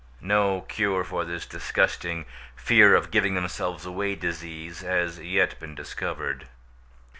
No cure for this disgusting fear of giving themselves away disease has yet been discovered.